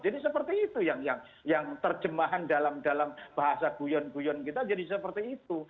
jadi seperti itu yang terjemahan dalam bahasa guyon guyon kita jadi seperti itu